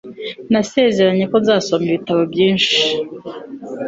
nasezeranye ko nzasoma ibitabo byinshi